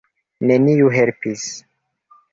Neniu helpis.